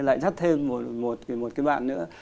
lại dắt thêm một cái bạn nữa